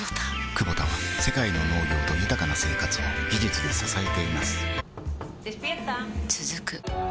クボタは世界の農業と豊かな生活を技術で支えています起きて。